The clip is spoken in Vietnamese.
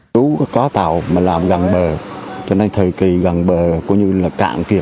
chú có tạo mà làm gắn bờ cho nên thời kỳ gắn bờ cũng như là cạn kia